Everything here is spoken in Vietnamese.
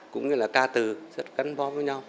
cũng như là ca từ rất gắn bó với nhau